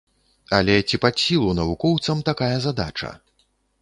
Але ці пад сілу навукоўцам такая задача?